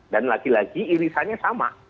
lagi lagi irisannya sama